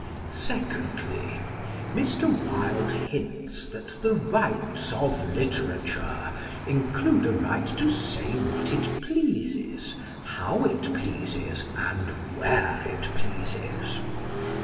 Secondly, Mr. Wilde hints that the "rights of literature" include a right to say what it pleases, how it pleases and where it pleases.